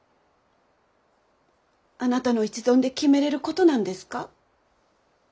あなたの一存で決めれることなんですか？